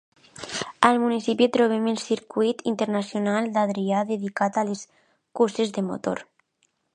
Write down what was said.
Al municipi trobem el Circuit Internacional d'Adria dedicat a les curses de motor.